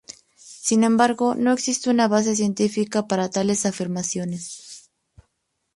Sin embargo, no existe una base científica para tales afirmaciones.